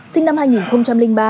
sinh năm hai nghìn ba